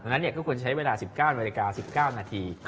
ดังนั้นก็ควรใช้เวลา๑๙นาที